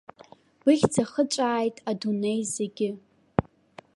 Быхьӡ ахыҵәааит адунеи зегьы.